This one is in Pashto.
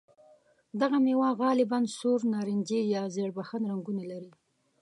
دغه مېوه غالباً سور، نارنجي یا ژېړ بخن رنګونه لري.